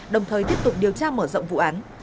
đồng thời tiếp tục điều tra mở rộng vụ án